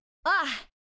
ああ。